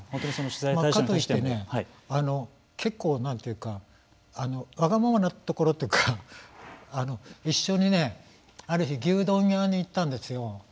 かといって結構、なんというかわがままなところというか一緒にある日牛丼屋に行ったんですよ。